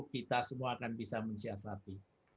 kita semua akan bisa mensiasati